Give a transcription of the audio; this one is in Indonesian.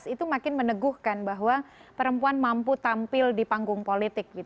itu makin meneguhkan bahwa perempuan mampu tampil di panggung politik